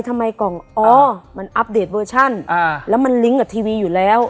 ทำไมกล่องอ๋อมันอัปเดตเวอร์ชันแล้วมันลิงก์กับทีวีอยู่แล้ว